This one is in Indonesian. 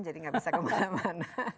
jadi nggak bisa kemana mana